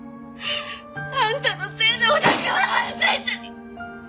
あんたのせいで織田くんは犯罪者に！